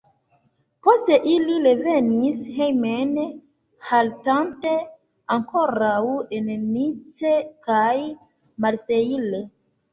Poste ili revenis hejmen haltante ankoraŭ en Nice kaj Marseille.